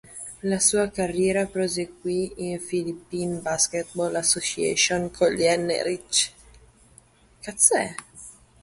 La sua carriera proseguì in Philippine Basketball Association con gli N-Rich.